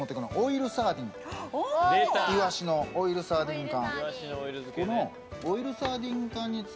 イワシのオイルサーディン缶。